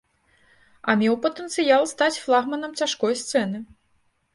А меў патэнцыял стаць флагманам цяжкой сцэны.